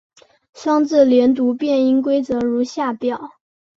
双字连读变音规则如下表。